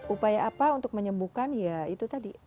upaya apa untuk menyembuhkan ya itu tadi